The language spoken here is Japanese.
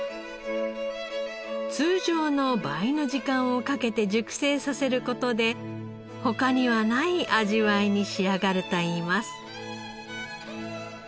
通常の倍の時間をかけて熟成させる事で他にはない味わいに仕上がるといいます。